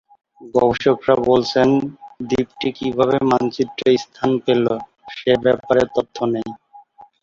গবেষকরা বলছেন, দ্বীপটি কীভাবে মানচিত্রে স্থান পেল, সে ব্যাপারে তথ্য নেই।